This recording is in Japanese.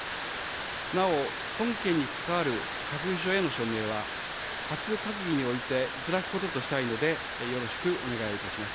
なお、本件に関わる閣議書への署名は、初閣議において頂くこととしたいので、よろしくお願いをいたします。